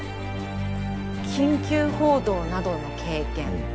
「緊急報道などの経験」。